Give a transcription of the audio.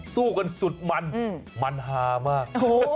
สู้กันสุดมันมันฮามาก